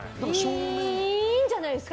いいんじゃないですか